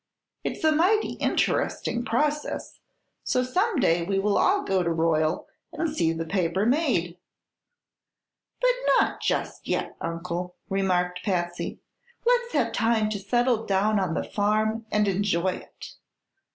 It's a mighty interesting process, so some day we will all go to Royal and see the paper made." "But not just yet, Uncle," remarked Patsy. "Let's have time to settle down on the farm and enjoy it.